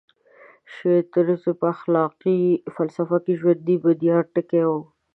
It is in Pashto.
شوایتزر په اخلاقي فلسفه کې ژوند بنیادي ټکی و.